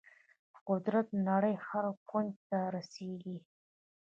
قدرت د نړۍ هر کونج ته رسیږي.